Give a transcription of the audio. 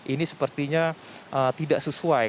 ini sepertinya tidak sesuai